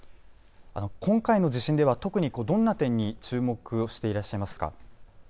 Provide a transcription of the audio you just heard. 今回の地震では特にどんな点に注目していらっしゃいますか。